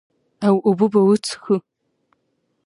او اوبۀ به وڅښو ـ